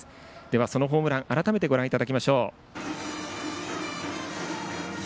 そのホームランを改めてご覧いただきましょう。